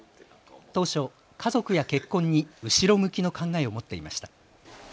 当初、家族や結婚に後ろ向きの考えを持っていました。